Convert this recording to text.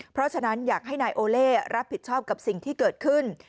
เพราะฉะนั้นอยากให้นายโอเล่รับผิดชอบกับสิ่งที่เกิดขึ้น